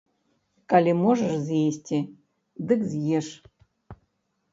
Калі можаш з'есці, дык з'еш.